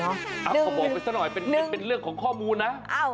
เอาบอกไปซะหน่อยเป็นเรื่องของข้อมูลนะ